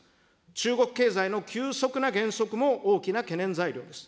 中国経済の急速な減速も大きな懸念材料です。